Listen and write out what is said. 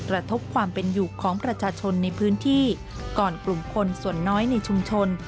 กระทบความเป็นอยู่ของประชาชนในพื้นที่ก่อนกลุ่มคนส่วนน้อยในชุมชน